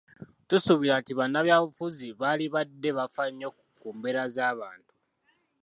Tusuubira nti bannabyabufuzi baalibadde bafa nnyo ku mbeera z'abantu.